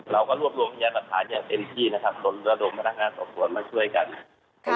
เราก็รวบรวมพยานหลักฐานอย่างเต็มที่นะครับจนระดมพนักงานสอบสวนมาช่วยกัน